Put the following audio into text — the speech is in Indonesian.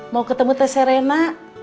mau ketemu tess serena